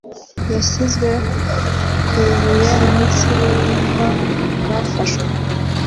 yashizwe ku ibuye munsi yon ihwa ryashaje. '